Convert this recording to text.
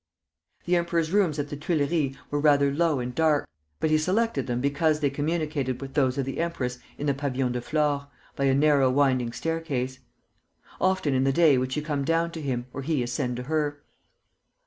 The emperor's rooms at the Tuileries were rather low and dark, but he selected them because they communicated with those of the empress in the Pavillon de Flore, by a narrow winding staircase. Often in the day would she come down to him, or he ascend to her.